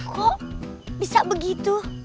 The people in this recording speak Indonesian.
kok bisa begitu